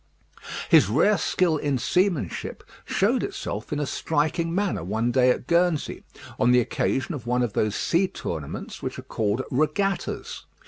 His rare skill in seamanship showed itself in a striking manner one day at Guernsey, on the occasion of one of those sea tournaments which are called regattas.